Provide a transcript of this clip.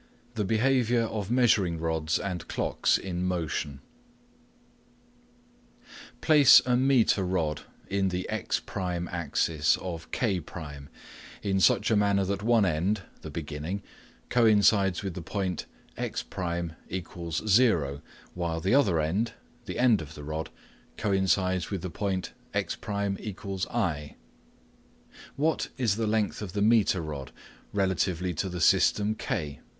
THE BEHAVIOUR OF MEASURING RODS AND CLOCKS IN MOTION Place a metre rod in the x1 axis of K1 in such a manner that one end (the beginning) coincides with the point x1=0 whilst the other end (the end of the rod) coincides with the point x1=I. What is the length of the metre rod relatively to the system K?